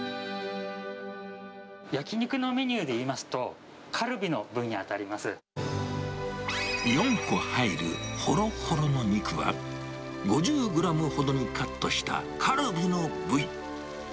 焼き肉のメニューでいいます４個入るほろほろの肉は、５０グラムほどにカットしたカルビの部位。